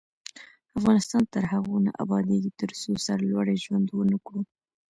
افغانستان تر هغو نه ابادیږي، ترڅو سرلوړي ژوند ونه کړو.